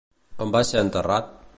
On va ser enterrat?